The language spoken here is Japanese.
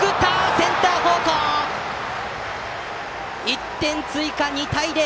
１点追加、２対０！